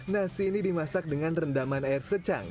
nasi ini dimasak dengan rendaman air secang